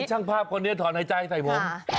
ช่างภาพคนนี้ถอนหายใจใส่ผม